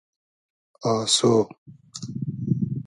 آسۉ